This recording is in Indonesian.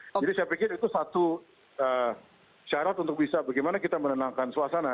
jadi saya pikir itu satu syarat untuk bisa bagaimana kita menenangkan suasana